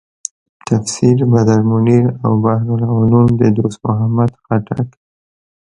تفسیر بدرمنیر او بحر العلوم د دوست محمد خټک.